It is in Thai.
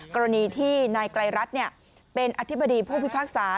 กรณีที่นายไกรรัฐเป็นอธิบดีผู้พิพากษา